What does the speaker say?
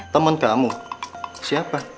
temen kamu siapa